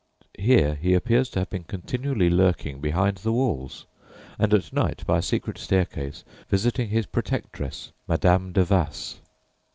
Here he appears to have been continually lurking behind the walls, and at night by a secret staircase visiting his protectress Madame de Vassés.